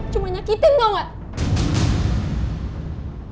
cuma nyakitin tau gak